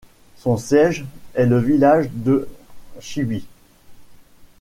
Son siège est le village de Chybie.